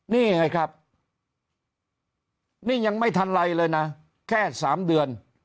นี่ไงครับนี่ยังไม่ทันไรเลยนะแค่๓เดือน